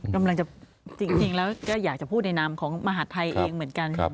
กำลังจะจริงแล้วก็อยากจะพูดในนามของมหาดไทยเองเหมือนกัน